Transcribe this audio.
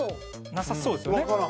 なさそうですよね。